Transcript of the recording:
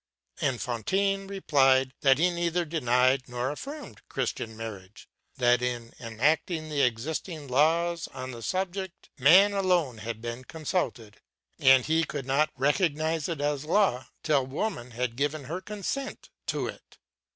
Enfantin replied that he neither denied nor affirmed Christian marriage; that in enacting the existing law on the subject man alone had been consulted, and he could not recognize it as law till woman had given her consent to it.